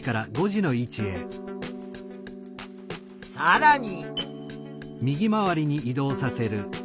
さらに。